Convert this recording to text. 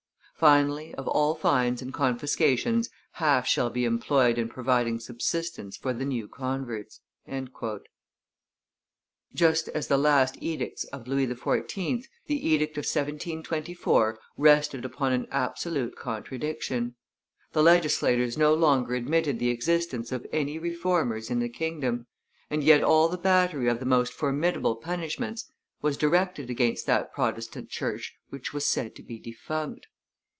Finally, of all fines and confiscations, half shall be employed in providing subsistence for the new converts." Just as the last edicts of Louis XIV., the edict of 1724 rested upon an absolute contradiction: the legislators no longer admitted the existence of any reformers in the kingdom; and yet all the battery of the most formidable punishments was directed against that Protestant church which was said to be defunct.